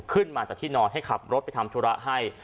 ขึ้นมาจากที่นอนให้ขับรถไปทำธุระให้